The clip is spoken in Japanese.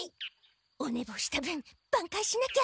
おねぼうした分ばんかいしなきゃ。